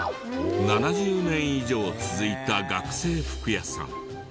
７０年以上続いた学生服屋さん。